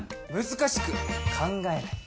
難しく考えない。